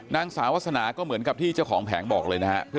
นางสาวาสนาก็เหมือนกับที่เจ้าของแผงบอกเลยนะครับ